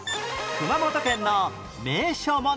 熊本県の名所問題